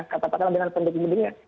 katakanlah dengan penduduk penduduknya